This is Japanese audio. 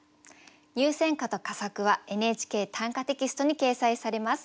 入選歌と佳作は「ＮＨＫ短歌」テキストに掲載されます。